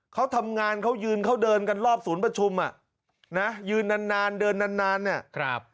เขาทำงานเขายืนเขาเดินกันรอบศูนย์ประชุมยืนนานเดินนานเนี่ย